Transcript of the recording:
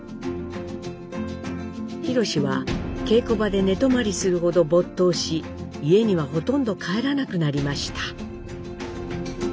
宏は稽古場で寝泊まりするほど没頭し家にはほとんど帰らなくなりました。